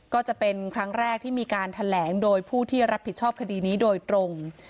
ก็จะเป็นครั้งแรกที่มีการแถลงโดยผู้ที่รับผิดชอบคดีนี้โดยตรง